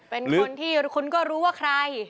เป็นคนที่คุณก็รู้ว่าใคร